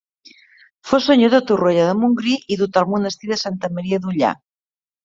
Fou senyor de Torroella de Montgrí i dotà el monestir de Santa Maria d'Ullà.